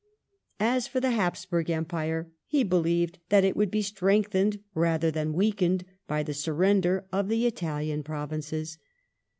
As for the Hapsburg Empu*e, he believed that it would be strengthened rather than weakened by the surrender of the Italian provinces.